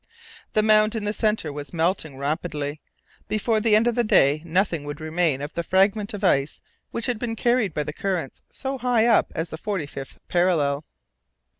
The mound in the center was melting rapidly; before the end of the day nothing would remain of the fragment of ice which had been carried by the currents so high up as the forty fifth parallel.